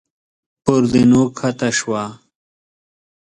پر زينو کښته شو.